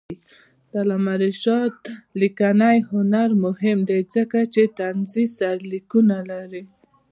د علامه رشاد لیکنی هنر مهم دی ځکه چې طنزي سرلیکونه لري.